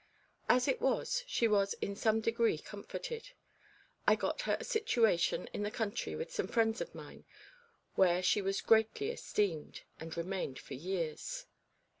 As it was, she was in some degree comforted. I got her a situation in the country with some friends of mine, where she was greatly esteemed, and remained for years.